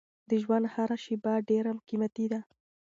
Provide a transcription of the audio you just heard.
د ژوند هره شېبه ډېره قیمتي ده.